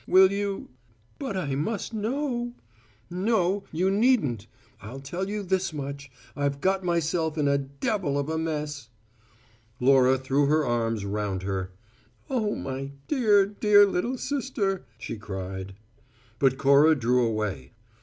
Will you " "But I must know " "No, you needn't! I'll tell you just this much: I've got myself in a devil of a mess " Laura threw her arms round her: "Oh, my dear, dear little sister!" she cried. But Cora drew away.